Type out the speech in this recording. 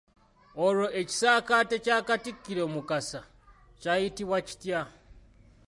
Olwo ekisaakaate kya Katikkiro Mukasa kyayitibwa kitya?